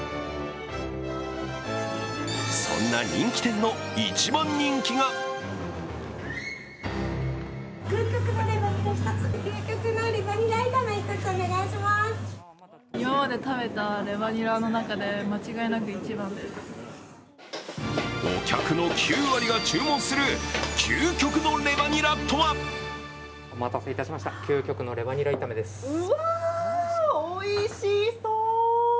そんな人気店の一番人気がお客の９割が注文する究極のレバニラとはうわ、おいしそう！